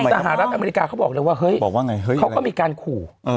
สหรัฐอเมริกาเขาบอกเลยว่าเฮ้ยเขาก็มีการขู่